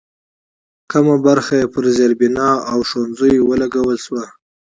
کمه برخه یې پر زېربنا او ښوونځیو ولګول شوه.